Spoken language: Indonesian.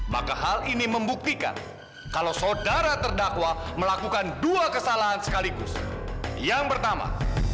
maka hal ini membuktikan kalau saudara terdakwa melakukan dua kesalahan sekaligus yang pertama